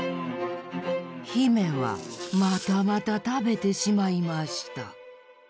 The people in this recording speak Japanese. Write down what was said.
姫はまたまたたべてしまいました。